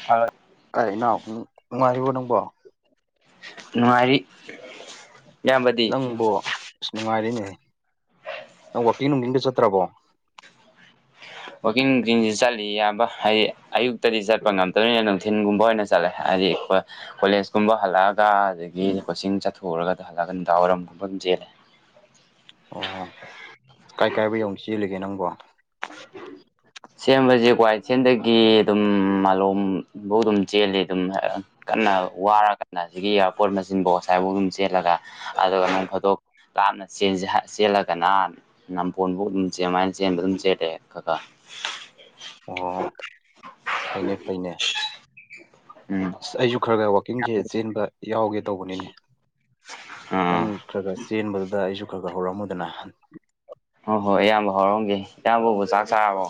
[unintelligible] ꯑꯥꯏ ꯏꯅꯥꯎ ꯅꯨꯡꯉꯥꯏꯔꯤꯕꯣ ꯅꯪꯕꯣ꯫ ꯅꯨꯡꯉꯥꯏꯔꯤ꯫ ꯏꯌꯥꯝꯕꯗꯤ ꯅꯪꯕꯨ ꯑꯁ ꯅꯨꯡꯉꯥꯏꯔꯤꯅꯦ ꯅꯪ ꯋꯥꯛꯀꯤꯡ ꯅꯨꯡꯗꯤꯡꯒ ꯆꯠꯇ꯭ꯔꯕꯣ꯫ ꯋꯥꯛꯀꯤꯡ ꯅꯨꯡꯗꯤꯁꯤ ꯆꯠꯂꯤ ꯑꯌꯥꯕ ꯍꯥꯏ ꯑꯌꯨꯛꯇꯗꯤ ꯆꯠꯄ ꯉꯝꯗꯕꯅꯤꯅ ꯊꯤꯟꯒꯨꯝꯕ ꯑꯣꯏꯅ ꯆꯠꯂꯦ ꯍꯥꯏꯗꯤ ꯑꯈꫭꯏ ꯀꯣꯂꯦꯖꯀꯨꯝꯕ ꯍꯜꯂꯛꯑꯒ ꯑꯗꯒꯤ ꯀꯣꯆꯤꯡ ꯆꯠ ꯊꯨꯔꯒ ꯍꯜꯂꯒ ꯅꯨꯡꯗꯥꯡꯋꯥꯏꯔꯝꯒꯨꯝꯕ ꯑꯗꯨꯝ ꯆꯦꯜꯂꯦ꯫ ꯑꯣ ꯀꯥꯏ ꯀꯥꯏꯕꯧ ꯌꯧꯅ ꯆꯦꯜꯂꯤꯒꯦ ꯅꯪꯕꯣ꯫ ꯁꯦꯝꯕꯁꯦ ꯀ꯭ꯋꯥ ꯏꯊꯦꯟꯗꯒꯤ ꯑꯗꯨꯝ ꯃꯥꯂꯣꯝꯐꯧ ꯑꯗꯨꯝ ꯆꯦꯜꯂꯤ ꯑꯗꯨꯝ ꯀꯟꯅ ꯋꯥꯔ ꯀꯥꯟꯗ ꯁꯤꯒꯤ ꯏꯌꯥꯔꯄꯣꯔꯠ ꯃꯆꯤꯟꯐꯥꯎ ꯑꯁꯥꯏꯐꯥꯎ ꯑꯗꯨꯝ ꯆꯦꯜꯂꯒ ꯑꯗꯨꯒ ꯅꫭꯡꯐꯥꯗꯣꯛ ꯂꯥꯞꯅ ꯆꯦꯟꯖꯦ ꯆꯦꯜꯂꯒꯅ ꯅꯝꯄꯣꯟꯕꯨ ꯑꯗꯨꯝ ꯆꯦꯟꯃꯥꯏꯅ ꯆꯦꯟꯕ ꯑꯗꯨꯝ ꯆꯦꯟꯂꯦ ꯈꯈ꯫ ꯑꯣ ꯐꯩꯅꯦ ꯐꯩꯅꯦ꯫ ꯎꯝ ꯑꯁ ꯑꯩꯁꯨ ꯈꯔ ꯈꯔ ꯋꯥꯛꯀꯤꯡꯁꯦ ꯆꯦꯟꯕ ꯌꯥꯎꯒꯦ ꯇꯧꯕ꯫ ꯅꯤꯅꯦ ꯑꯥ ꯅꯪ ꯈꯔ ꯈꯔ ꯆꯦꯟꯕꯗꯨꯗ ꯑꯩꯁꯨ ꯈꯔ ꯈꯔ ꯍꯧꯔꯝꯃꯨꯗꯅ꯫ ꯍꯣꯏ ꯍꯣꯏ ꯑꯌꯥꯝꯕ ꯍꯧꯔꯝꯒꯦ ꯏꯌꯥꯝꯕꯕꯨ ꯆꯥꯛ ꯆꯥꯔꯕꯣ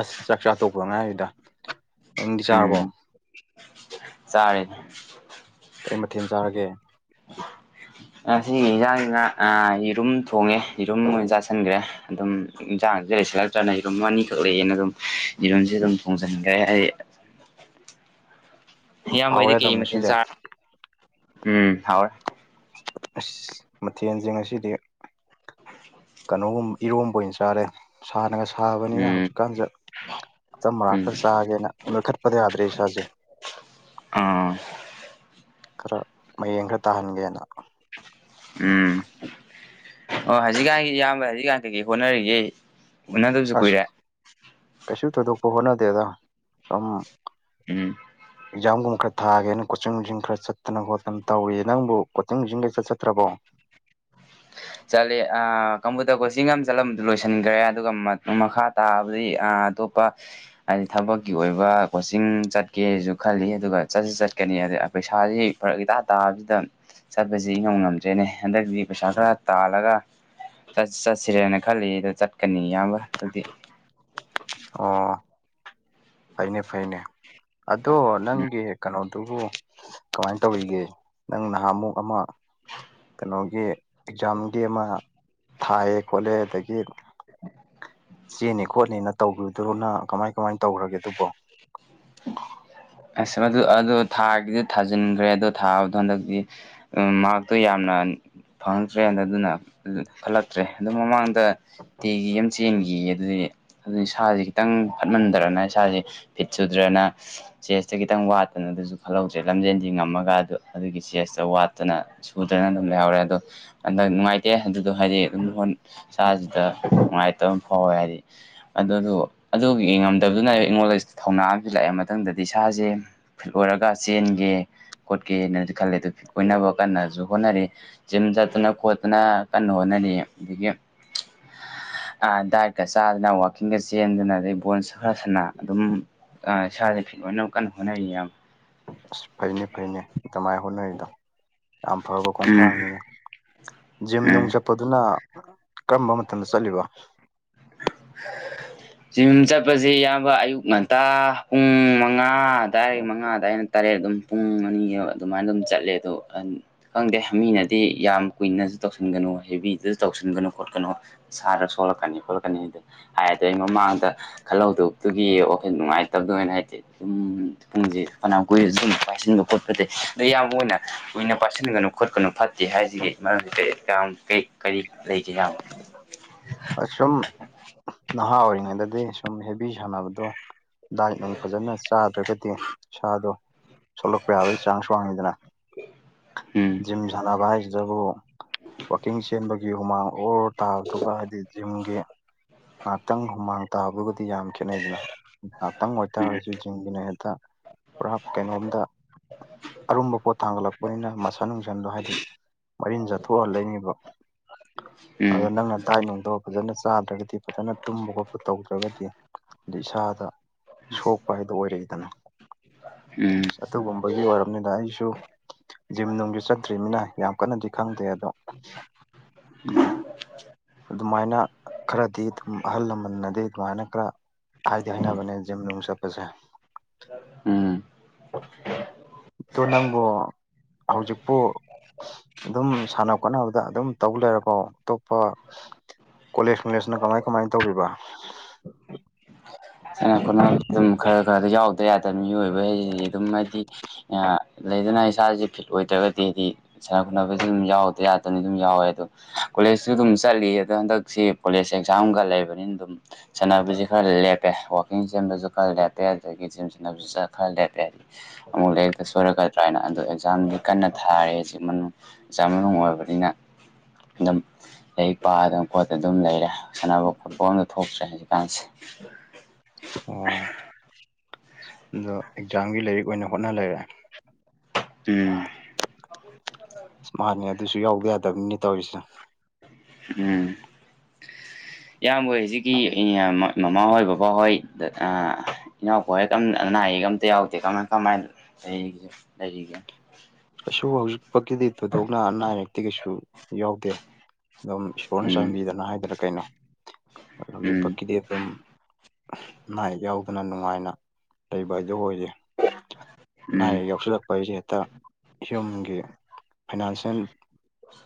ꯑꯁ ꯆꯥꯛ ꯆꯥ ꯇꯣꯛꯄꯗ ꯉꯥꯏꯔꯤꯗ ꯅꯪꯗꯤ ꯎꯝ ꯆꯥꯔꯕꯣ ꯆꯥꯔꯦ ꯀꯔꯤ ꯃꯊꯦꯜ ꯆꯥꯔꯒꯦ ꯉꯁꯤ ꯏꯟꯖꯥꯡꯖꯤꯅ ꯑꯥ ꯌꯦꯔꯨꯝ ꯊꯣꯡꯉꯦ ꯌꯦꯔꯨꯝ ꯑꯣꯏꯅ ꯆꯥꯁꯤꯟꯒ꯭ꯔꯦ ꯑꯗꯨꯝ ꯏꯟꯖꯥꯡꯖꯦ ꯂꯩꯁꯤꯜꯂꯛꯇ꯭ꯔꯥꯅ ꯌꯦꯔꯨꯝ ꯑꯅꯤꯈꯛ ꯂꯩꯌꯦꯅ ꯑꯗꯨꯝ ꯌꯦꯔꯨꯝꯖꯦ ꯑꯗꯨꯝ ꯊꯣꯡꯖꯟꯒ꯭ꯔꯦ ꯑꯩ ꯏꯌꯥꯝꯕꯩꯗꯤ ꯍꯥꯎꯔꯦ ꯑꯗꯨꯝ ꯀꯩ ꯃꯊꯦꯜ ꯉꯁꯤꯗꯤ ꯆꯥꯔꯦ ꯎꯝ ꯍꯥꯎꯔꯦ ꯑꯁ ꯃꯊꯦꯜꯖꯦ ꯉꯁꯤꯗꯤ ꯀꯩꯅꯣꯒꯨꯝ ꯏꯔꯣꯝꯕ ꯑꯣꯏꯅ ꯆꯥꯔꯦ ꯁꯥꯅꯒ ꯁꯥꯕꯅꯤꯅ ꯎꯝ ꯍꯧꯖꯤꯛꯀꯥꯟꯖꯦ ꯑꯆꯝ ꯑꯔꯥꯛ ꯎꯝ ꯈꯔ ꯆꯥꯒꯦꯅ ꯅꯣꯏ ꯈꯠꯄꯗ ꯌꯥꯗ꯭ꯔꯦ ꯏꯁꯥꯖꯦ ꯎꯝ ꯈꯔ ꯃꯌꯦꯡ ꯈꯔ ꯇꯥꯍꯟꯒꯦꯅ ꯎꯝ ꯑꯣ ꯍꯧꯖꯤꯛꯀꯥꯟꯒꯤ ꯏꯌꯥꯝꯕ ꯍꯧꯖꯤꯛꯀꯥꯟ ꯀꯩꯀꯩ ꯍꯣꯠꯅꯔꯤꯒꯦ ꯎꯅꯗꯕꯁꯨ ꯑꯁ ꯀꯨꯏꯔꯦ ꯀꯩꯁꯨ ꯊꯣꯏꯗꯣꯛꯄ ꯍꯣꯠꯅꯗꯦꯗ ꯁꯨꯝ ꯎꯝ [inaudible] ꯑꯦꯛꯖꯥꯝꯒꯨꯝꯕ ꯈꯔ ꯊꯥꯒꯦꯅ ꯀꯣꯆꯤꯡ ꯅꯨꯆꯤꯡ ꯈꯔ ꯆꯠꯇꯅ ꯈꯣꯠꯇꯅ ꯇꯧꯏ ꯅꯪꯕꯨ ꯀꯣꯆꯤꯡ ꯅꯨꯆꯤꯡꯒ ꯏꯆꯠ ꯆꯠꯇ꯭ꯔꯕꯣ ꯆꯠꯂꯦ ꯑꯥ ꯀꯝꯄꯨꯇꯔ ꯀꯣꯆꯤꯡ ꯑꯃ ꯆꯠꯂꯝꯕꯗꯨ ꯂꯣꯏꯁꯤꯟꯒ꯭ꯔꯦ ꯑꯗꯨꯒ ꯃꯈꯥ ꯇꯥꯕꯗꯤ ꯑꯥ ꯇꯣꯞꯄ ꯍꯥꯏꯗꯤ ꯊꯕꯛꯀꯤ ꯑꯣꯏꯕ ꯀꯣꯆꯤꯡ ꯆꯠꯀꯦꯖꯨ ꯈꯜꯂꯤ ꯑꯗꯨꯒ ꯆꯠꯁꯨ ꯆꯠꯀꯅꯤ ꯑꯗ ꯄꯩꯁꯥꯖꯤ ꯐꯔꯛ ꯏꯇꯥ ꯇꯥꯕꯖꯤꯗ ꯆꯠꯄꯖꯤ ꯏꯉꯝ ꯉꯝꯗ꯭ꯔꯦꯅꯦ ꯍꯟꯗꯛꯇꯤ ꯄꯩꯁꯥ ꯈꯔ ꯇꯥꯜꯂꯒ ꯆꯠ ꯆꯠꯁꯤꯔꯅ ꯈꯜꯂꯤ ꯑꯗꯣ ꯆꯠꯀꯅꯤ ꯏꯌꯥꯝꯕ ꯑꯗꯨꯗꯤ ꯑꯣ ꯐꯩꯅꯦ ꯐꯩꯅꯦ ꯑꯗꯣ ꯅꯪꯒꯤ ꯀꯩꯅꯣꯗꯨꯕꯨ ꯀꯃꯥꯏꯟ ꯇꯧꯔꯤꯒꯦ ꯅꯪ ꯅꯍꯥꯟꯃꯨꯛ ꯑꯃ ꯀꯩꯅꯣꯒꯤ ꯑꯦꯛꯖꯥꯝꯒꯤ ꯑꯃ ꯊꯥꯏꯌꯦ ꯈꯣꯠꯂꯦ ꯑꯗꯒꯤ [unintelligible] ꯆꯦꯅꯤ ꯈꯣꯠꯅꯤꯅ ꯇꯧꯒꯤꯕꯗꯨꯕꯨ ꯅꯪ ꯀꯃꯥꯏ ꯀꯃꯥꯏ ꯇꯧꯒ꯭ꯔꯒꯦ ꯑꯗꯨꯕꯣ ꯑꯁ ꯑꯗꯨ ꯑꯗꯣ ꯊꯥꯒꯤꯗꯤ ꯊꯥꯖꯤꯟꯒ꯭ꯔꯦ ꯑꯗꯣ ꯊꯥꯕꯗꯣ ꯍꯟꯗꯛꯇꯤ ꯎꯝ ꯃꯥꯔ꯭ꯛꯇꯣ ꯌꯥꯝꯅ ꯐꯪꯉꯛꯇ꯭ꯔꯦꯅ ꯑꯗꯨꯅ ꯈꯜꯂꯛꯇ꯭ꯔꯦ ꯑꯗꯨ ꯃꯃꯥꯡꯗ ꯇꯦꯒꯤ ꯑꯝ ꯆꯦꯟꯒꯤꯌꯦ ꯑꯗꯨꯗꯤ ꯑꯗꯨ ꯏꯁꯥꯖꯦ ꯈꯤꯇꯪ ꯐꯠꯃꯟꯗꯔꯥꯅ ꯏꯁꯥꯖꯦ ꯐꯤꯠ ꯁꯨꯗ꯭ꯔꯥꯅ ꯆꯦꯁꯇꯥ ꯈꯤꯇꯪ ꯋꯥꯠꯇꯅ ꯑꯗꯨꯖꯨ ꯈꯜꯍꯧꯗ꯭ꯔꯦ ꯂꯝꯖꯦꯟꯗꯤ ꯉꯝꯃꯒ ꯑꯗꯨꯒꯤ ꯆꯦꯁꯇꯥ ꯋꯥꯠꯇꯅ ꯁꯨꯗꯥꯗꯅ ꯑꯗꯨꯝ ꯂꯩꯍꯧꯔꯦ ꯑꯗꯣ ꯍꯟꯗꯛ ꯅꯨꯡꯉꯥꯏꯇꯦ ꯑꯗꯨꯗꯣ ꯍꯥꯏꯗꯤ ꯑꯗꯨꯝ ꯂꯣꯟ ꯏꯁꯥꯁꯤꯗ ꯅꯨꯡꯉꯥꯏꯇꯕ ꯑꯃ ꯐꯥꯎꯋꯦ ꯍꯥꯏꯗꯤ ꯑꯗꯨꯗꯨ ꯑꯗꯨꯒꯤ ꯉꯝꯗꯕꯗꯨꯅ ꯑꯩꯉꯣꯟꯗ ꯊꯧꯅꯥ ꯑꯃꯗꯤ ꯂꯥꯛꯑꯦ ꯃꯊꯪꯗꯗꯤ ꯏꯁꯥꯖꯦ ꯐꯤꯠ ꯑꯣꯏꯔꯒ ꯆꯦꯟꯒꯦ ꯈꯣꯠꯀꯦꯅꯗꯤ ꯈꯜꯂꯦ ꯑꯗꯨ ꯐꯤꯠ ꯑꯣꯏꯅꯕ ꯀꯟꯅꯖꯨ ꯍꯣꯠꯅꯔꯤ ꯖꯤꯝ ꯆꯠꯇꯅ ꯈꯣꯠꯇꯅ ꯀꯟꯅ ꯍꯣꯠꯅꯔꯤ ꯑꯗꯒꯤ ꯗꯥꯏꯠꯀꯥ ꯆꯥꯗꯅ ꯋꯥꯛꯀꯤꯡꯒ ꯆꯦꯟꯗꯅ ꯑꯗꯩ ꯕꯣꯟꯁꯨ ꯈꯔ ꯁꯅ ꯑꯗꯨꯝ ꯑꯥ ꯏꯁꯥꯖꯦ ꯐꯤꯠ ꯑꯣꯏꯅ ꯀꯟꯅ ꯍꯣꯠꯅꯔꯤ ꯏꯌꯥꯝ ꯑꯁ ꯐꯩꯅꯦ ꯐꯩꯅꯦ ꯑꯗꯨꯃꯥꯏꯟ ꯍꯣꯠꯅꯔꯤꯗꯣ ꯌꯥꯝ ꯐꯕ ꯎꯝ ꯈꯣꯡꯊꯥꯡꯅꯤꯅꯦ ꯖꯤꯝ ꯎꯝ ꯅꯨꯡ ꯆꯠꯄꯗꯨꯅ ꯀꯔꯝꯕ ꯃꯇꯝꯗ ꯆꯠꯂꯤꯕ [unintelligible] ꯖꯤꯝ ꯆꯠꯄꯖꯤ ꯏꯌꯥꯝꯕ ꯑꯌꯨꯛ ꯉꯟꯇꯥ ꯄꯨꯡ ꯃꯉꯥ ꯑꯗꯥꯏ ꯃꯉꯥ ꯑꯗꯥꯏꯅ ꯇꯔꯦꯠ ꯑꯗꯨꯝ ꯄꯨꯡ ꯑꯅꯤ ꯑꯗꯨꯃꯥꯏꯅ ꯑꯗꯨꯝ ꯆꯠꯂꯦ ꯑꯗꯣ ꯈꯪꯗꯦ ꯃꯤꯅꯗꯤ ꯌꯥꯝ ꯀꯨꯏꯅꯁꯨ ꯇꯧꯁꯤꯟꯒꯅꯨ ꯍꯦꯕꯤꯗꯁꯨ ꯇꯧꯁꯤꯟꯒꯅꯨ ꯈꯣꯠꯀꯅꯨ ꯏꯁꯥꯗ ꯁꯣꯂꯛꯀꯅꯤ ꯈꯣꯠꯂꯛꯀꯅꯤꯗꯤ ꯍꯥꯏ ꯑꯗꯩ ꯃꯃꯥꯡꯗ ꯈꯜꯍꯧꯗꯣꯛꯇꯨꯒꯤ ꯋꯥꯈꯣꯏ ꯅꯨꯡꯉꯥꯏꯇꯕꯗꯣꯏꯅ ꯍꯥꯏꯇꯦ ꯑꯗꯨꯝ ꯄꯨꯡꯁꯦ ꯐꯅꯥꯝ ꯀꯨꯏꯔꯖꯨ ꯑꯗꯨꯨꯝ ꯄꯥꯏꯁꯤꯟꯕ ꯈꯣꯠꯄꯁꯦ ꯑꯗ ꯑꯌꯥꯝꯕ ꯑꯣꯏꯅ ꯀꯨꯏꯅ ꯄꯥꯏꯁꯤꯟꯒꯅꯨ ꯈꯣꯠꯀꯅꯨ ꯐꯠꯇꯦ ꯍꯥꯏꯁꯤꯒꯤ ꯃꯔꯝꯁꯤ ꯀꯩ ꯑꯦꯛꯖꯥꯝ ꯀꯔꯤ ꯀꯔꯤ [unintelligible] ꯑꯁꯨꯝ ꯅꯍꯥ ꯑꯣꯏꯔꯤꯉꯩꯗꯗꯤ ꯁꯨꯝ ꯍꯦꯕꯤ ꯁꯥꯟꯅꯕꯗꯣ ꯗꯥꯏꯠ ꯅꯨꯡ ꯐꯖꯅ ꯆꯥꯗ꯭ꯔꯒꯗꯤ ꯏꯁꯥꯗꯣ ꯁꯣꯂꯛꯄ ꯌꯥꯕꯩ ꯆꯥꯁ ꯋꯥꯡꯉꯤꯗꯅ ꯎꯝ ꯖꯤꯝ ꯁꯥꯟꯅꯕ ꯍꯥꯏꯁꯤꯗꯕꯨ ꯋꯥꯛꯀꯤꯡ ꯆꯦꯟꯕ ꯒꯤ ꯍꯨꯃꯥꯡ ꯑꯣꯔ ꯇꯥꯕꯗꯨꯒ ꯍꯥꯏꯗꯤ ꯖꯤꯝꯒꯤ ꯉꯍꯥꯛꯇꯪ ꯍꯨꯃꯥꯡ ꯇꯥꯕꯒꯗꯤ ꯌꯥꯝ ꯈꯦꯠꯅꯩꯗꯅ ꯉꯥꯛꯇꯪ ꯎꯝ ꯑꯣꯏꯇꯥꯔꯁꯨ ꯖꯤꯝꯒꯤꯅ ꯍꯦꯛꯇ ꯄꯨꯔꯥ ꯀꯩꯅꯣꯝꯗ ꯑꯔꯨꯝꯕ ꯄꯣꯠ ꯊꯥꯡꯒꯠꯂꯛꯄꯅꯤꯅ ꯃꯁꯟ ꯅꯨꯡꯁꯟꯗꯣ ꯍꯥꯏꯗꯤ ꯃꯔꯤꯟ ꯆꯠꯊꯣꯛꯍꯜꯂꯛꯏꯅꯦꯕ ꯎꯝ ꯑꯗ ꯅꯪꯅ ꯗꯥꯏꯠ ꯅꯨꯡꯗꯣ ꯐꯖꯅ ꯆꯥꯗ꯭ꯔꯒꯗꯤ ꯐꯖꯅ ꯇꯨꯝꯕ ꯈꯣꯠꯄ ꯇꯧꯗ꯭ꯔꯒꯗꯤ ꯑꯗꯩ ꯏꯁꯥꯗ ꯁꯣꯛꯄ ꯍꯥꯏꯗꯣ ꯑꯣꯏꯔꯛꯏꯗꯅ ꯎꯝ ꯑꯗꯨꯒꯨꯝꯕꯒꯤ ꯑꯣꯏꯔꯝꯅꯤꯅ ꯑꯩꯁꯨ ꯖꯤꯝ ꯅꯨꯡꯁꯨ ꯆꯠꯇ꯭ꯔꯤꯝꯅꯤꯅ ꯌꯥꯝ ꯀꯟꯅꯗꯤ ꯈꯪꯗꯦ ꯑꯗꯣ [unintelligible] ꯑꯗꯨꯃꯥꯏꯅ ꯈꯔꯗꯤ ꯑꯗꯨꯝ ꯑꯍꯜ ꯂꯃꯟꯅꯗꯤ ꯑꯗꯨꯃꯥꯏꯅ ꯈꯔ ꯍꯥꯏꯗꯤ ꯍꯥꯏꯅꯕꯅꯦ ꯖꯤꯝ ꯅꯨꯡ ꯆꯠꯄꯁꯦ ꯎꯝ [unintelligible] ꯑꯗꯣ ꯅꯪꯕꯨ ꯍꯧꯖꯤꯛꯄꯨ ꯑꯗꯨꯝ ꯁꯥꯟꯅ ꯈꯣꯠꯅꯕꯗ ꯑꯗꯨꯝ ꯇꯧ ꯂꯩꯔꯕꯣ ꯑꯇꯣꯞꯄ ꯀꯣꯂꯦꯖ ꯅꯨꯡꯂꯦꯖꯅ ꯀꯃꯥꯏ ꯀꯃꯥꯏ ꯇꯧꯔꯤꯕ ꯁꯥꯟꯅ ꯈꯣꯠꯅꯕꯗ ꯑꯗꯨꯝ ꯈꯔ ꯈꯔꯗꯤ ꯌꯥꯎꯗ ꯌꯥꯗꯕ ꯃꯤꯑꯣꯏꯕ ꯍꯥꯏꯗꯤ ꯑꯗꯨꯝ ꯍꯥꯏꯗꯤ ꯑꯥ ꯂꯩꯗꯅ ꯏꯁꯥꯁꯦ ꯐꯤꯠ ꯑꯣꯏꯗ꯭ꯔꯒꯗꯤꯗꯤ ꯁꯥꯟꯅ ꯈꯣꯠꯅꯕꯁꯁꯨ ꯑꯗꯨꯝ ꯌꯥꯎꯗ ꯌꯥꯗꯅꯤ ꯑꯗꯨꯝ ꯌꯥꯎꯋꯦ ꯑꯗꯣ ꯀꯣꯂꯦꯖꯁꯨ ꯑꯗꯨꯝ ꯆꯠꯂꯤ ꯑꯗꯣ ꯍꯟꯗꯛꯁꯤ ꯀꯣꯂꯦꯖ ꯑꯦꯛꯖꯥꯝꯒ ꯂꯩꯕꯅꯤꯅ ꯑꯗꯨꯝ ꯁꯅꯥꯕꯖꯤ ꯈꯔ ꯂꯦꯞ ꯄꯦ ꯋꯥꯥꯛꯀꯤꯡ ꯆꯦꯟꯕꯁꯨ ꯈꯔ ꯂꯦꯞꯄꯦ ꯑꯗꯒꯤ ꯖꯤꯝ ꯁꯤꯖꯤꯟꯅꯕꯁꯨ ꯈꯔ ꯂꯦꯞꯄꯦ ꯑꯃꯨꯛ ꯂꯥꯏꯔꯤꯛꯇ ꯁꯣꯏꯔꯛꯀꯗ꯭ꯔꯥꯅ ꯑꯗꯣ ꯑꯦꯛꯖꯥꯝꯗꯤ ꯀꯟꯅ ꯊꯥꯔꯤ ꯁꯤꯃꯅꯨꯡ ꯑꯦꯛꯖꯥꯝ ꯃꯅꯨꯡ ꯑꯣꯏꯕꯅꯤꯅ ꯑꯗꯨꯝ ꯂꯩꯔꯤꯛ ꯄꯥꯗꯅ ꯈꯣꯠꯇ ꯑꯗꯨꯝ ꯂꯩꯔꯦ ꯁꯥꯟꯅꯕ ꯐꯨꯠꯕꯣꯜꯒ ꯊꯣꯛꯇ꯭ꯔꯦ ꯍꯧꯖꯤꯛꯀꯥꯟꯁꯦ ꯑꯣ [unintelligible] ꯑꯗꯣ ꯑꯦꯛꯖꯥꯝꯒꯤ ꯂꯥꯏꯔꯤꯛ ꯑꯣꯏꯅ ꯍꯣꯠꯅ ꯂꯩꯔꯦ ꯎꯝ ꯃꯥꯅꯤ ꯑꯗꯨꯁꯨ ꯌꯥꯎꯗ ꯌꯥꯗꯕꯅꯤ ꯇꯧꯔꯤꯁꯦ ꯎꯝ ꯏꯌꯥꯝꯕꯣꯏ ꯍꯧꯖꯤꯛꯀꯤ ꯃꯃꯥꯍꯣꯏ ꯕꯕꯥꯍꯣꯏ ꯑꯥ ꯏꯅꯥꯎꯄꯍꯣꯏ ꯀꯝ ꯑꯅꯥ ꯑꯌꯦꯛ ꯑꯝꯇ ꯌꯥꯎꯗꯦ ꯀꯃꯥꯏ ꯀꯃꯥꯏꯅ ꯂꯩꯔꯤ ꯂꯩꯔꯤꯒꯦ ꯀꯩꯁꯨ ꯍꯧꯖꯤꯛ ꯐꯥꯎꯒꯤꯗꯤ ꯊꯣꯏꯗꯣꯛꯅ ꯑꯅꯥ ꯑꯌꯦꯛꯇꯤ ꯀꯩꯁꯨ ꯌꯥꯎꯗꯦ ꯑꯗꯨꯝ ꯏꯁꯣꯔꯅ ꯎꯝ ꯆꯥꯟꯕꯤꯗꯅ ꯍꯥꯏꯗꯅ ꯀꯩꯅꯣ ꯎꯝ ꯍꯧꯖꯤꯛꯐꯀꯤꯗꯤ ꯑꯗꯨꯝ ꯅꯥꯏꯌꯦꯛ ꯌꯥꯎꯗꯅ ꯅꯨꯡꯉꯥꯏꯅ ꯂꯩꯕ ꯍꯥꯏꯗꯣ ꯑꯣꯏꯔꯤ ꯑꯅꯥ ꯎꯝ ꯑꯌꯦꯛ ꯌꯥꯎꯁꯤꯜꯂꯛꯄ ꯍꯥꯏꯖꯦ ꯍꯦꯛꯇꯥ ꯌꯨꯝꯒꯤ ꯐꯥꯏꯅꯥꯟꯁꯤꯌꯦꯜ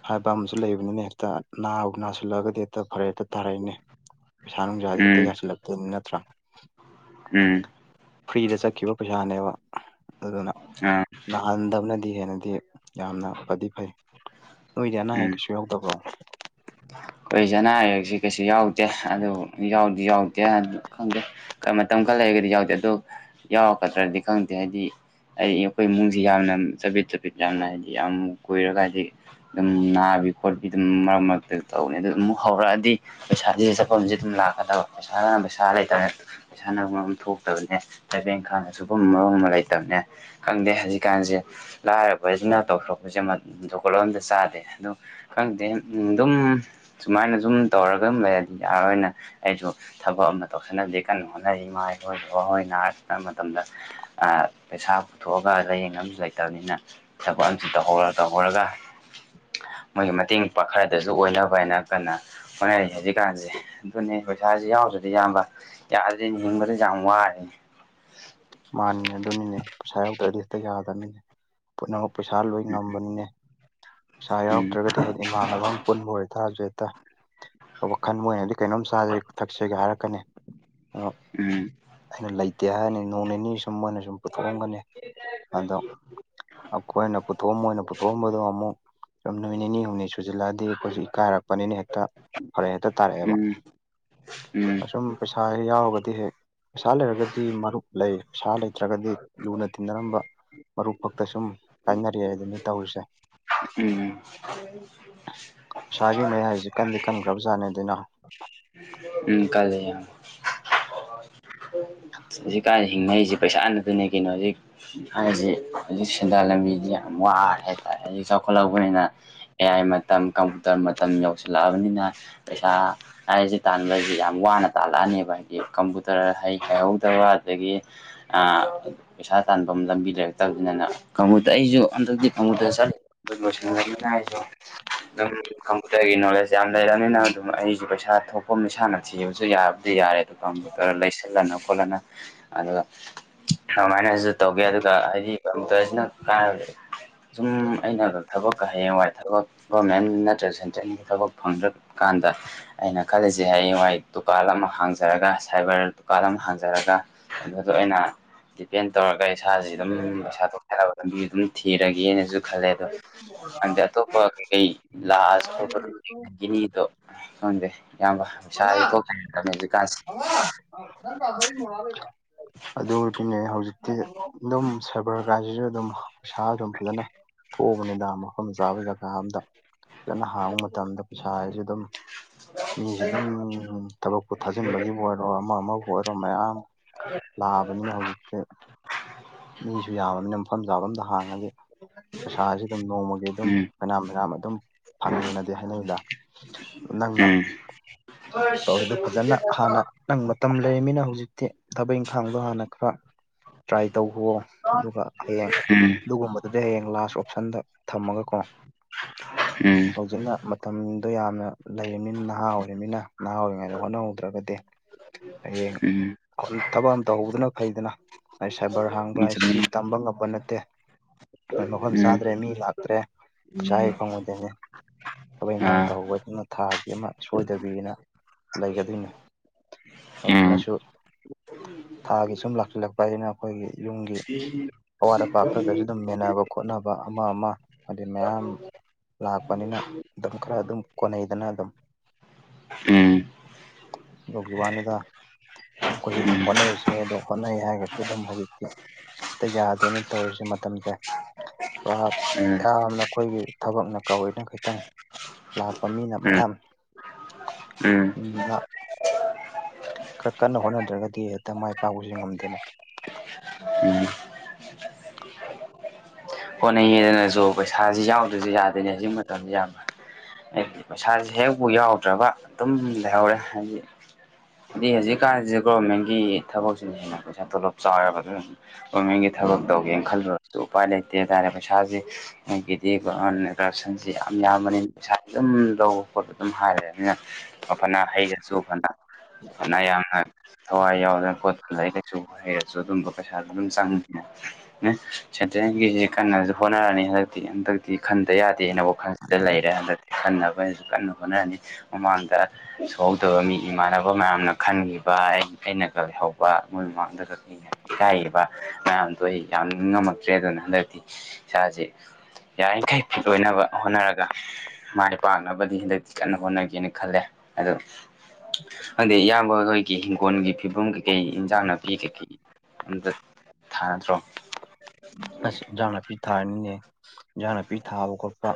ꯍꯥꯏꯕ ꯑꯃꯁꯨ ꯂꯩꯕꯅꯤꯅ ꯍꯦꯛꯇꯥ ꯅꯥꯕꯨ ꯅꯥꯁꯤꯜꯂꯛꯑꯒꯗꯤ ꯍꯦꯛꯇꯥ ꯐꯔꯛ ꯍꯦꯛꯇꯥ ꯇꯥꯔꯛꯏꯅꯦ ꯄꯩꯁꯥ ꯅꯨꯡꯖꯥꯖꯦ ꯍꯦꯛꯇꯥ ꯎꯝ ꯌꯥꯁꯤꯜꯂꯛꯇꯕꯅꯤ ꯅꯠꯇ꯭ꯔꯥ ꯎꯝ ꯐ꯭ꯔꯤꯗ ꯆꯠꯈꯤꯕ ꯄꯩꯁꯥꯅꯦꯕ ꯑꯗꯨꯅ ꯑꯥ ꯅꯥꯍꯟꯗꯕꯅ ꯗꯤ ꯍꯦꯟꯅꯗꯤ ꯌꯥꯝꯅ ꯐꯗꯤ ꯐꯩ ꯅꯣꯏꯗꯤ ꯑꯅꯥ ꯑꯌꯦꯛ ꯀꯩꯁꯨ ꯌꯥꯎꯗꯕ꯭ꯔꯣ ꯑꯩꯈꯣꯏꯖꯨ ꯑꯅꯥ ꯑꯌꯦꯛꯁꯤ ꯀꯩꯁꯨ ꯌꯥꯎꯗꯦ ꯑꯗꯨꯕꯨ ꯌꯥꯎꯗꯤ ꯌꯥꯎꯗꯦ ꯈꯪꯗꯦ ꯈꯔ ꯃꯇꯝ ꯈꯔ ꯂꯩꯔꯒꯗꯤ ꯌꯥꯎꯗꯦ ꯑꯗꯣ ꯌꯥꯎꯔꯛꯀꯗ꯭ꯔꯥꯗꯤ ꯈꯪꯗꯦ ꯍꯥꯏꯗꯤ ꯑꯩ ꯑꯈꯣꯏ ꯏꯃꯨꯡꯖꯤ ꯌꯥꯝꯅ ꯆꯥꯕꯤꯠ ꯆꯕꯤꯠ ꯌꯥꯝꯅ ꯍꯥꯏꯗꯤ ꯌꯥꯝ ꯀꯨꯏꯔꯒ ꯍꯥꯏꯗꯤ ꯑꯗꯨꯝ ꯅꯥꯕꯤ ꯈꯣꯠꯄꯤ ꯑꯗꯨꯝ ꯃꯔꯛ ꯃꯔꯛ ꯑꯗꯨ ꯇꯧꯅꯤ ꯑꯗꯨ ꯑꯃꯨꯛ ꯍꯧꯔꯛꯑꯗꯤ ꯄꯩꯁꯥꯖꯤ ꯆꯠꯐꯝꯖꯦ ꯑꯗꯨꯝ ꯂꯥꯛꯀꯥꯗꯕ ꯄꯩꯁꯥꯅ ꯄꯩꯁꯥ ꯂꯩꯇꯔꯦ ꯄꯩꯁꯥꯅ ꯃꯔꯣꯝꯃ ꯊꯣꯛꯇꯕꯅꯦ ꯊꯕꯛ ꯏꯪꯈꯥꯡ ꯁꯨꯕꯝ ꯅꯣꯝꯕꯝ ꯃꯥ ꯂꯩꯇꯕꯅꯦ ꯈꯪꯗꯦ ꯍꯧꯖꯤꯛꯀꯥꯟꯖꯦ ꯂꯥꯏꯔꯕꯖꯤꯅ ꯇꯧꯊꯣꯔꯛꯄꯖꯦ ꯃꯠ ꯖꯣꯒꯣꯠ ꯑꯝꯇꯥ ꯆꯥꯗꯦ ꯑꯗꯨ ꯈꯪꯗꯦ ꯎꯝ ꯑꯗꯨꯝ ꯁꯨꯃꯥꯏꯅ ꯁꯨꯝ ꯇꯧꯔꯒ ꯑꯝ ꯂꯩꯔꯗꯤ ꯌꯥꯔ ꯑꯣꯏꯅ ꯑꯩꯁꯨ ꯊꯕꯛ ꯑꯃ ꯇꯧꯁꯤꯟꯅꯕꯗꯤ ꯀꯟꯅ ꯍꯣꯠꯅꯔꯤ ꯏꯃꯥꯏꯍꯣꯢ ꯕꯕꯥꯍꯣꯏ ꯅꯔꯥ ꯃꯇꯝꯗ ꯑꯥ ꯄꯩꯁꯥ ꯄꯨꯊꯣꯛꯑꯒ ꯂꯥꯏꯌꯦꯡꯅꯕꯁꯨ ꯂꯩꯇꯕꯅꯤꯅ ꯊꯕꯛ ꯑꯝꯁꯨꯝ ꯇꯧꯍꯧꯔ ꯇꯧꯍꯧꯔꯒ ꯃꯣꯏꯒꯤ ꯃꯇꯦꯡ ꯄꯥꯡꯈꯠ ꯗꯁꯨ ꯑꯣꯏꯅꯕ ꯍꯥꯏꯅ ꯀꯟꯅ ꯍꯣꯠꯅꯔꯤ ꯍꯧꯖꯤꯛꯀꯥꯟꯖꯦ ꯑꯗꯨꯅꯤ ꯄꯩꯁꯥꯥꯖꯦ ꯌꯥꯎꯗ꯭ꯔꯥꯗꯤ ꯏꯌꯥꯝꯕ ꯌꯥꯗꯦꯅꯦ ꯍꯤꯡꯕꯗ ꯌꯥꯝ ꯋꯥꯏꯅꯦ ꯃꯥꯅꯤꯅꯦ ꯑꯗꯨꯅꯤꯅꯦ ꯄꯩꯁꯥ ꯌꯥꯎꯗ꯭ꯔꯥꯗꯤ ꯍꯦꯛꯇꯥ ꯌꯥꯗꯃꯤꯅꯦ ꯄꯨꯝꯅꯃꯛ ꯄꯩꯁꯥ ꯂꯣꯏ ꯉꯝꯕꯅꯤꯅꯦ ꯄꯩꯁꯥ ꯎꯝ ꯌꯥꯎꯔꯛꯇ꯭ꯔꯥꯒꯗꯤ ꯍꯥꯏꯗꯤ ꯏꯃꯥꯟꯅꯕ ꯑꯝ ꯄꯨꯟꯕ ꯑꯣꯏꯇꯥꯔꯖꯨ ꯍꯦꯛꯇꯥ ꯋꯥꯈꯜ ꯃꯣꯏꯅꯗꯤ ꯀꯩꯅꯣꯝ ꯆꯥꯖꯦ ꯊꯛꯁꯦꯒ ꯍꯥꯏꯔꯛꯀꯥꯅꯤ ꯎꯝ ꯑꯩꯅ ꯂꯩꯇꯦ ꯍꯥꯏꯔꯅꯤ ꯅꯣꯡ ꯅꯤꯅꯤ ꯁꯨꯝ ꯃꯣꯏꯅ ꯁꯨꯝ ꯄꯨꯊꯣꯛꯑꯝꯒꯅꯤ ꯑꯗꯣ ꯑꯈꯣꯏꯅ ꯄꯨꯊꯣꯛꯑ ꯃꯣꯏꯅ ꯄꯨꯊꯣꯛꯑꯝꯕꯗꯣ ꯑꯃꯨꯛ ꯁꯨꯝ ꯅꯨꯃꯤꯠ ꯅꯤꯅꯤ ꯍꯨꯝꯅꯤ ꯁꯨꯖꯤꯜꯂꯛꯑꯗꯤ ꯑꯈꯣꯏꯖꯨ ꯏꯀꯥꯏꯔꯛꯄꯅꯤꯅ ꯍꯦꯛꯇ ꯐꯥꯔꯛ ꯍꯦꯛꯇꯥ ꯇꯥꯔꯛꯑꯦꯕ ꯎꯝ ꯎꯝ ꯑꯗꯨꯝ ꯄꯩꯁꯥꯖꯦ ꯍꯦꯛ ꯌꯥꯎꯔꯒꯗꯤ ꯍꯦꯛ ꯄꯩꯁꯥ ꯂꯩꯔꯒꯗꯤ ꯃꯔꯨꯞ ꯂꯩ ꯄꯩꯁꯥ ꯂꯩꯇ꯭ꯔꯥꯒꯗꯤ ꯂꯨꯅ ꯇꯤꯟꯅꯔꯝꯕ ꯃꯔꯨꯞ ꯐꯛꯇꯥ ꯁꯨꯝ ꯀꯥꯏꯅꯔꯦ ꯍꯥꯏꯗꯨꯅꯤ ꯇꯧꯔꯤꯁꯦ ꯎꯝ ꯄꯩꯁꯥꯒꯤ ꯃꯌꯥꯏꯁꯤ ꯀꯟꯗꯤ ꯀꯟꯈ꯭ꯔꯕꯖꯥꯠꯅꯤ ꯑꯗꯨꯅ [unintelligible] ꯎꯝ ꯀꯜꯂꯦ ꯌꯥꯝ [unintelligible] ꯍꯧꯖꯤꯛꯀꯥꯟ ꯍꯤꯡꯅꯔꯤꯖꯦ ꯄꯩꯁꯥ ꯅꯇꯥꯅꯦ ꯀꯩꯅꯣ ꯍꯧꯖꯤꯛ ꯍꯥꯏꯖꯦ ꯍꯧꯖꯤꯛ ꯁꯦꯟꯗꯥꯟ ꯂꯝꯕꯤꯗꯤ ꯌꯥꯝ ꯋꯥꯔꯦ ꯍꯥꯏꯇꯥꯔꯦ ꯍꯧꯖꯤꯛ ꯆꯥꯎꯈꯠꯂꯛꯄꯅꯤꯅ ꯑꯦ ꯑꯥꯏ ꯃꯇꯝ ꯀꯝꯄꯨꯇꯔ ꯃꯇꯝ ꯌꯧꯁꯜꯂꯛꯑꯕꯅꯤꯅ ꯄꯩꯁꯥ ꯍꯥꯏꯔꯤꯖꯦ ꯇꯥꯟꯕꯖꯦ ꯌꯥꯝ ꯋꯥꯅ ꯇꯥꯜꯂꯛꯑꯅꯦꯕ ꯍꯥꯏꯗꯤ ꯀꯝꯄꯨꯇꯔ ꯍꯩ ꯍꯩꯍꯧ ꯇꯕ ꯑꯗꯒꯤ ꯑꯥ ꯄꯩꯁꯥ ꯇꯟꯕꯝ ꯂꯝꯕꯤ ꯂꯩꯔꯛꯇꯥꯕꯅꯤꯗꯅ ꯀꯥꯃꯨꯇꯔ ꯑꯩꯖꯨ ꯍꯟꯗꯛꯇꯤ ꯀꯝꯃꯨꯠꯇꯔ ꯆꯠꯂꯤ ꯂꯣꯏꯁꯤꯟꯒꯃꯤꯅ ꯑꯩꯖꯨ ꯑꯗꯨꯝ ꯀꯝꯄꯨꯇꯔꯒꯤ ꯅꯣꯂꯦꯖ ꯌꯥꯝ ꯂꯩꯔꯅꯤꯅ ꯑꯗꯨꯝ ꯑꯩꯖꯨ ꯄꯩꯁꯥ ꯊꯣꯛꯐꯝ ꯏꯁꯥꯅ ꯊꯤꯕꯁꯨ ꯌꯥꯕꯗꯤ ꯌꯥꯔꯦ ꯀꯝꯄꯨꯇꯔ ꯂꯩꯁꯤꯜꯂꯅ ꯈꯣꯠꯂꯅ ꯑꯗꯨꯒ ꯑꯗꯨꯃꯥꯏꯅꯖꯨ ꯇꯧꯒꯦ ꯑꯗꯨꯒ ꯍꯥꯏꯗꯤ ꯀꯝꯄꯨꯇꯔꯁꯤꯅ ꯀꯥꯏ [unintelligible] ꯁꯨꯝ ꯑꯩꯅꯒ ꯊꯕꯛꯀ ꯍꯌꯦꯡꯋꯥꯏ ꯊꯕꯛ ꯒꯣꯃꯦꯟ ꯅꯠꯇ꯭ꯔꯒ ꯁꯦꯟꯇ꯭ꯔꯦꯜꯒꯤ ꯊꯕꯛ ꯐꯪꯗ꯭ꯔꯒ ꯀꯥꯟꯗ ꯑꯩꯅ ꯈꯜꯂꯤꯁꯦ ꯍꯥꯌꯦꯡꯋꯥꯏ ꯗꯨꯀꯥꯟ ꯑꯃ ꯍꯥꯡꯖꯔꯒ ꯁꯥꯏꯕꯔ ꯗꯨꯀꯥꯟ ꯑꯃ ꯍꯥꯡ ꯖꯔꯒ ꯑꯗꯨꯗꯣ ꯑꯩꯅ ꯗꯤꯇꯦꯟ ꯇꯧꯔꯒ ꯏꯁꯥꯥꯖꯤ ꯑꯗꯨꯝ ꯄꯩꯁꯥ ꯊꯣꯛꯆꯅꯕ ꯂꯝꯕꯤ ꯑꯗꯨꯝ ꯊꯤꯔꯒꯦꯅꯁꯨ ꯈꯜꯂꯦ ꯑꯗꯣ ꯑꯟꯗꯩ ꯑꯇꯣꯞꯄ ꯀꯩꯀꯩ ꯂꯥꯛꯑꯁꯨ ꯑꯇꯣꯞꯄꯒꯤꯅꯤꯗꯣ ꯈꯪꯗꯦ ꯏꯌꯥꯝꯕ ꯄꯩꯁꯥꯥꯖꯦ ꯃꯉꯥ ꯊꯣꯛꯇ [unintelligible] ꯅꯤ ꯍꯧꯖꯤꯛꯀꯥꯟꯁꯦ ꯃꯉꯥ ꯅꯪ ꯀꯥꯗ ꯑꯩ ꯃꯣꯔꯥ ꯂꯩꯕꯔꯣ ꯑꯗꯨꯗꯤꯅꯦ ꯍꯧꯖꯤꯛꯇꯤ ꯑꯗꯨꯝ ꯁꯥꯏꯕꯔ ꯀꯥꯏꯖꯤꯖꯨ ꯑꯗꯨꯝ ꯄꯩꯁꯥ ꯑꯗꯨꯝ ꯐꯖꯅ ꯊꯣꯛꯑꯕꯅꯤꯗ ꯃꯐꯝ ꯆꯥꯕ ꯖꯒꯥ ꯑꯝꯗ ꯐꯖꯅ ꯍꯥꯡꯕ ꯃꯇꯝꯗ ꯄꯩꯁꯥ ꯑꯗꯨꯝ ꯃꯤꯖꯤ ꯑꯗꯨꯝ ꯊꯕꯛꯄꯨ ꯊꯥꯖꯤꯟꯕꯒꯤꯕꯨ ꯑꯣꯢ ꯔꯣ ꯑꯃ ꯑꯃꯕꯨ ꯑꯣꯏꯔꯣ ꯃꯌꯥꯝ ꯂꯥꯛꯑꯕꯅꯤꯅ ꯍꯧꯖꯤꯛꯇꯤ ꯃꯤꯁꯨ ꯌꯥꯝꯕꯅꯤꯅ ꯃꯐꯝ ꯆꯥꯕ ꯑꯝꯗ ꯍꯥꯡꯉꯗꯤ ꯄꯩꯁꯥꯁꯤ ꯑꯗꯨꯝ ꯅꯣꯡꯃꯒꯤ ꯑꯗꯨꯝ ꯎꯝ ꯐꯩꯅꯥꯝ ꯐꯩꯅꯥꯝ ꯑꯗꯨꯝ ꯐꯪꯉꯦꯅꯗꯤ ꯍꯥꯏꯅꯩꯗ ꯅꯪꯅ ꯎꯝ ꯇꯧꯔꯤꯗꯨ ꯐꯖꯅ ꯍꯥꯟꯅ ꯅꯪ ꯃꯇꯝ ꯂꯩꯔꯝꯃꯤꯅ ꯍꯧꯖꯤꯛꯇꯤ ꯊꯕꯛ ꯏꯪꯈꯥꯡꯗꯣ ꯍꯥꯟꯅ ꯈꯔ ꯇ꯭ꯔꯥꯏ [unintelligible] ꯑꯗꯨꯒ ꯍꯌꯦꯡ ꯑꯗꯨꯒꯨꯝꯕꯗꯨꯗ ꯍꯌꯦꯡ ꯂꯥꯁ ꯑꯣꯞꯁꯟꯗ ꯊꯝꯃꯒꯀꯣ ꯎꯝ ꯍꯧꯖꯤꯛꯅ ꯃꯇꯝꯗꯣ ꯌꯥꯝꯅ ꯂꯩꯔꯃꯤꯅ ꯅꯍꯥ ꯑꯣꯏꯔꯤꯃꯤꯅ ꯅꯍꯥ ꯑꯣꯏꯔꯤꯉꯩꯗ ꯍꯣꯠꯅꯍꯧꯗ꯭ꯔꯒꯗꯤ ꯍꯌꯦꯡ ꯎꯝ ꯊꯕꯛ ꯑꯃ ꯇꯧꯍꯧꯕꯗꯨꯅ ꯐꯩꯗꯅ ꯍꯥꯏ ꯁꯥꯏꯕꯔ ꯍꯥꯡꯕ ꯍꯥꯏꯁꯤꯗꯤ ꯎꯝ ꯇꯝꯕ ꯉꯝꯕ ꯅꯠꯇꯦ ꯃꯐꯝ ꯎꯝ ꯆꯥꯗ꯭ꯔꯦ ꯃꯤ ꯂꯥꯛꯇ꯭ꯔꯦ ꯄꯩꯁꯥ ꯍꯦꯛ ꯐꯪꯉꯣꯏꯗꯣꯏꯅꯦ ꯊꯕꯛ ꯏꯟꯈꯥꯡ ꯑꯥ ꯇꯧꯍꯧꯕ ꯍꯥꯗꯨꯅ ꯊꯥꯒꯤ ꯑꯃ ꯁꯣꯏꯗꯕꯤꯅ ꯂꯩꯒꯗꯣꯏꯅꯤ ꯎꯝ ꯎꯝ ꯑꯗꯨꯅꯁꯨ ꯊꯥꯒꯤ ꯁꯨꯝ ꯂꯥꯛꯁꯤꯜꯂꯛꯄ ꯍꯥꯏꯗꯨꯅ ꯑꯩꯈꯣꯏꯒꯤ ꯌꯨꯝꯒꯤ ꯎꯝ ꯑꯋꯥꯠ ꯑꯄꯥ ꯈꯔꯗꯁꯨ ꯑꯗꯨꯝ ꯃꯦꯟꯅꯕ ꯈꯣꯠꯅꯕ ꯑꯃ ꯑꯃ ꯍꯥꯏ ꯃꯌꯥꯝ ꯂꯥꯛꯄꯅꯤꯅ ꯑꯗꯨꯝ ꯈꯔ ꯑꯗꯨꯝ ꯀꯣꯟꯅꯩꯗꯅ ꯑꯗꯨꯝ ꯎꯝ ꯎꯝ ꯑꯗꯨꯒꯤ ꯋꯥꯅꯤꯗ ꯑꯩꯈꯣꯏꯁꯨ ꯑꯗꯨꯝ ꯍꯣꯠꯅꯔꯤꯁꯤꯅꯦ ꯑꯗꯣ ꯍꯣꯠꯅꯩ ꯍꯥꯏꯔꯒꯁꯨ ꯑꯗꯨꯝ ꯍꯧꯖꯤꯛꯇꯤ ꯍꯦꯛꯇ ꯌꯥꯗꯦꯅꯦ ꯇꯧꯔꯤꯁꯦ ꯃꯇꯝꯁꯦ ꯄꯨꯔꯥ ꯌꯥꯝꯅ ꯑꯩꯈꯣꯏꯒꯤ ꯊꯕꯛꯅ ꯀꯧꯔꯤꯅ ꯈꯤꯇꯪ ꯂꯥꯛꯄ ꯃꯤꯅ ꯃꯌꯥꯝ ꯗꯨꯅ ꯈꯔ ꯀꯟꯅ ꯍꯣꯠꯅꯗ꯭ꯔꯒꯗꯤ ꯍꯦꯛꯇ ꯃꯥꯏ ꯄꯥꯛꯄꯁꯦ ꯉꯝꯗꯦꯅꯦ [unintelligible] [unintelligible] ꯍꯣꯠꯅꯩꯌꯦꯗꯅꯁꯨ ꯄꯩꯁꯥꯁꯤ ꯌꯥꯎꯗ꯭ꯔꯁꯨ ꯌꯥꯗꯣꯏꯅꯦ ꯍꯧꯖꯤꯛ ꯃꯇꯝꯁꯤ ꯌꯥꯝꯕ ꯍꯥꯏꯗꯤ ꯄꯩꯁꯥꯁꯦ ꯍꯦꯛꯕꯨ ꯌꯥꯎꯗ꯭ꯔꯕ ꯑꯗꯨꯝ ꯂꯩꯍꯧꯔꯦ ꯍꯥꯏꯗꯤ ꯍꯥꯏꯗꯤ ꯍꯧꯖꯤꯛꯀꯥꯟꯁꯦ ꯒꯣꯔꯃꯦꯟꯒꯤ ꯊꯕꯛꯁꯤꯅ ꯍꯦꯟꯅ ꯄꯩꯁꯥ ꯇꯣꯂꯣꯞ ꯆꯥꯎꯋꯦꯕ ꯑꯗꯨ ꯒꯣꯔꯃꯦꯟꯒꯤ ꯊꯕꯛ ꯇꯧꯒꯦꯅ ꯈꯜꯂꯁꯨ ꯎꯄꯥꯏ ꯂꯩꯇꯦ ꯍꯥꯏꯇꯥꯔꯦ ꯄꯩꯁꯥꯁꯤ ꯑꯗꯒꯤꯗꯤ ꯀꯔꯞꯁꯟꯁꯤ ꯌꯥꯝ ꯌꯥꯝꯕꯅꯤꯅ ꯄꯩꯁꯥ ꯑꯗꯨꯝ ꯂꯧꯕ ꯈꯣꯠꯄ ꯑꯗꯨꯝ ꯍꯥꯏꯔꯅꯤꯅ ꯐꯅ ꯍꯩꯔꯁꯨ ꯐꯅ ꯐꯅ ꯌꯥꯝꯅ ꯊꯋꯥꯏ ꯌꯥꯎꯗꯅ ꯈꯣꯠꯇꯅ ꯂꯥꯏꯔꯤꯛ ꯂꯥꯏꯁꯨ ꯍꯩꯔꯁꯨ ꯑꯗꯨꯝꯕ ꯄꯩꯁꯥꯗꯨ ꯑꯗꯨꯝ ꯆꯪꯉꯅꯤꯅ ꯁꯦꯟꯇꯔꯦꯟ ꯒꯤꯁꯤ ꯀꯟꯅꯁꯨ ꯍꯣꯠꯅꯔꯅꯤ ꯍꯟꯗꯛꯇꯤ ꯍꯟꯗꯛꯇꯤ ꯈꯟꯗ ꯌꯥꯗꯦꯅ ꯋꯥꯈꯜꯁꯤꯗ ꯂꯩꯔꯦ ꯍꯟꯗꯛꯇꯤ ꯈꯟꯅꯕꯅꯁꯨ ꯀꯟꯅ ꯍꯣꯠꯅꯔꯅꯤ ꯃꯃꯥꯡꯗ ꯁꯣꯛꯍꯧꯗꯕ ꯃꯤ ꯏꯃꯥꯟꯅꯕ ꯃꯌꯥꯝꯅ ꯈꯟꯈꯤꯕ ꯑꯩꯅꯒ ꯂꯩꯍꯧꯕ ꯃꯣꯏ ꯃꯃꯥꯡꯗꯒ ꯌꯥꯏꯌꯦꯕ ꯉꯔꯥꯡꯗꯣ ꯑꯩ ꯌꯥꯝ ꯅꯤꯡꯉꯝꯃꯛꯇ꯭ꯔꯦ ꯑꯗꯨꯅ ꯍꯟꯗꯛꯇꯤ ꯏꯁꯥꯁꯦ ꯌꯥꯔꯤꯡꯈꯩ ꯐꯤꯠ ꯑꯣꯏꯅꯕ ꯍꯣꯠꯅꯔꯒ ꯃꯥꯏ ꯄꯥꯛꯅꯕꯗꯤ ꯍꯟꯗꯛꯇꯤ ꯀꯟꯅ ꯍꯣꯠꯅꯒꯦꯅ ꯈꯜꯂꯦ ꯑꯗꯣ ꯈꯪꯗꯦ ꯏꯌꯥꯝꯕ ꯍꯣꯏꯒꯤ ꯍꯤꯡꯒꯣꯜꯒꯤ ꯐꯤꯕꯝ ꯀꯩꯀꯩ ꯏꯟꯖꯥꯡ ꯅꯥꯄꯤ ꯀꯩꯀꯩ ꯑꯝꯇ ꯊꯥꯗ꯭ꯔꯣ ꯑꯁ ꯏꯟꯖꯥꯡ ꯅꯥꯄꯤ ꯊꯥꯔꯤꯝꯅꯤꯅꯦ ꯏꯟꯖꯥꯡ ꯅꯥꯄꯤ ꯊꯥꯕ ꯈꯣꯠꯄ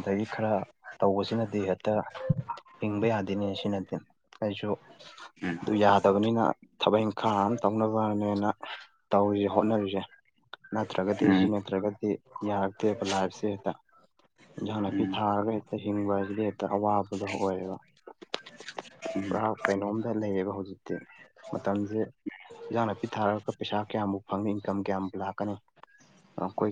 ꯑꯗꯒꯤ ꯈꯔ ꯇꯧꯕꯁꯤꯅꯗꯤ ꯍꯦꯛꯇ ꯍꯤꯡꯕ ꯌꯥꯗꯦꯅꯦ ꯑꯁꯤꯅꯗꯤ ꯑꯩꯁꯨ ꯎꯝ ꯑꯗꯨ ꯌꯥꯗꯕꯅꯤꯅ ꯊꯕꯛ ꯏꯪꯈꯥꯡ ꯑꯃ ꯇꯧꯅꯕꯅꯦꯅ ꯇꯧꯔꯤ ꯍꯣꯠꯅꯔꯤꯁꯦ ꯅꯠꯇ꯭ꯔꯒꯗꯤ ꯎꯝ ꯁꯤ ꯅꯠꯇ꯭ꯔꯒꯗꯤ ꯌꯥꯔꯛꯇꯦꯕ ꯂꯥꯏꯐꯁꯦ ꯍꯦꯛꯇ ꯏꯟꯖꯥꯡ ꯅꯥꯄꯤ ꯎꯝ ꯊꯥꯔꯒ ꯍꯦꯛꯇ ꯍꯤꯡꯕ ꯍꯥꯏꯁꯤꯗꯤ ꯍꯦꯛꯇ ꯑꯋꯥꯕꯗꯣ ꯑꯣꯏꯌꯦꯕ ꯎꯝ ꯄꯨꯔꯥ ꯀꯩꯅꯣꯝꯗ ꯂꯩꯌꯦꯕ ꯍꯧꯖꯤꯛꯇꯤ ꯃꯇꯝꯁꯦ ꯏꯟꯖꯥꯡ ꯅꯥꯄꯤ ꯊꯥꯔꯒ ꯄꯩꯁꯥ ꯀꯌꯥꯃꯨꯛ ꯐꯪꯅꯤ ꯏꯟꯀꯝ ꯀꯌꯥꯝ ꯂꯥꯛꯀꯅꯤ ꯑꯩꯈꯣꯏ